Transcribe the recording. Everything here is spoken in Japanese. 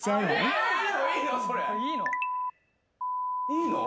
いいの！？